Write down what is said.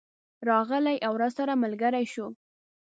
راغلی او راسره ملګری شو.